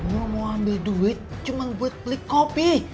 lu mau ambil duit cuman buat beli kopi